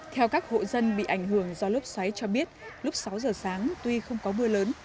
theo các hộ dân bị ảnh hưởng do lốc xoáy cho biết lúc sáu giờ sáng tuy không có mưa lớn